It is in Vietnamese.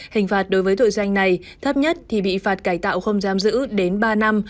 hình phạt đối với tội danh này thấp nhất thì bị phạt cải tạo không giam giữ đến ba năm